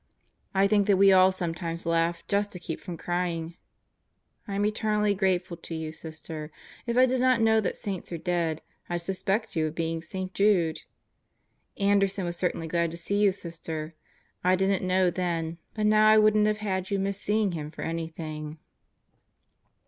I think that we all sometimes laugh just to keep from crying. I am eternally grateful to you, Sister. If I did not know that saints are dead, I'd suspect you of being St. Jude! Anderson was certainly glad to see you, Sister. I didn't know then, but now I wouldn't have had you miss seeing him for anything.